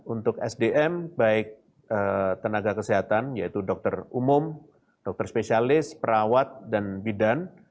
untuk sdm baik tenaga kesehatan yaitu dokter umum dokter spesialis perawat dan bidan